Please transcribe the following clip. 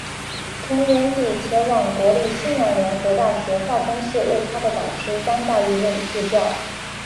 同年底前往国立西南联合大学化工系为他的导师张大煜任助教。